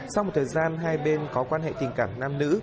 sau một thời gian hai bên có quan hệ tình cảm nam nữ